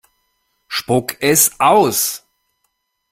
Spuck es aus!